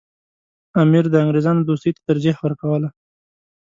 امیر د انګریزانو دوستۍ ته ترجیح ورکوله.